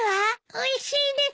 おいしいです！